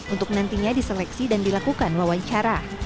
untuk nantinya diseleksi dan dilakukan wawancara